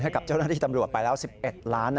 ให้กับเจ้าหน้าที่ตำรวจไปแล้ว๑๑ล้าน